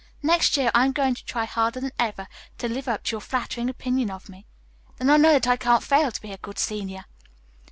"Next year I am going to try harder than ever to live up to your flattering opinion of me. Then I know that I can't fail to be a good senior."